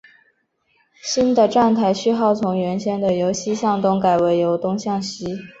新的站台序号从原先的由西向东改为由东向西。